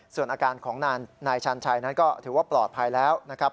ส่วนอาการของนายชาญชัยนั้นก็ถือว่าปลอดภัยแล้วนะครับ